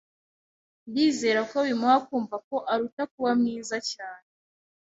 Ndizera ko bimuha kumva ko aruta kuba mwiza cyane.